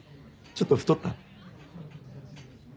ちょっと太った？